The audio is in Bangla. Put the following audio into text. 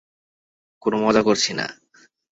কোনো মজা করছি না।